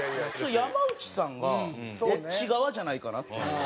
山内さんがこっち側じゃないかなっていう。